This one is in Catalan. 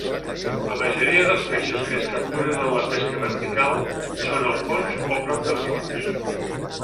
La majoria dels peixos que es capturen amb la pesca vertical són al fons o prop del fons.